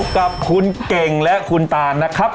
กับคุณเก่งและคุณตานนะครับ